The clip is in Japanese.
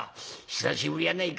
久しぶりやないか。